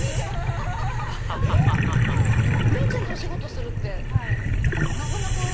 アハハハお兄ちゃんとお仕事するってなかなか。